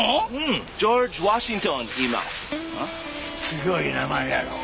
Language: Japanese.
すごい名前やろ。